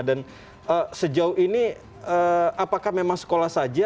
dan sejauh ini apakah memang sekolah saja